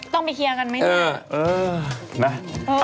ต้องไปเคียงกันไหม